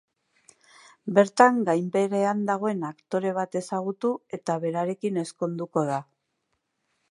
Bertan, gainbeheran dagoen aktore bat ezagutu eta berarekin ezkonduko da.